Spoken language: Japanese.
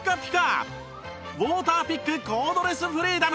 ウォーターピックコードレスフリーダム